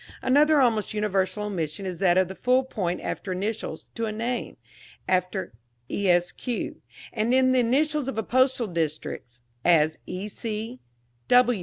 Another almost universal omission is that of the full point after initials to a name, after "Esq.," and in the initials of postal districts, as E.